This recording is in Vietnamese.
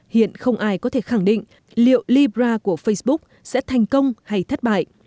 hiện không ai có thể khẳng định liệu libra của facebook sẽ thành công hay thất bại